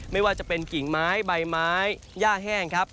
ไม่ว่าจะเป็นกิ่งไม้ใบไม้ย่าแห้งครับ